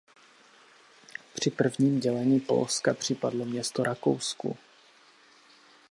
Při prvním dělení Polska připadlo město Rakousku.